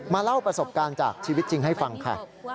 เล่าประสบการณ์จากชีวิตจริงให้ฟังค่ะ